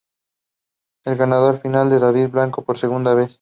El ganador final fue David Blanco por segunda vez.